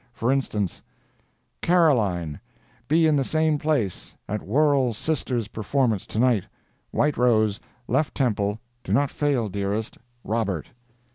For instance: "CAROLINE—Be in the same place, at Worrell Sisters' performance, to night. White rose, left temple. Do not fail, dearest. ROBERT."